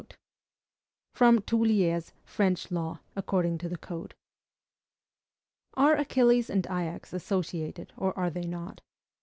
Toullier: French Law according to the Code. Are Achilles and Ajax associated, or are they not?